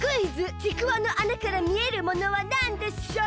ちくわのあなからみえるものはなんでしょう？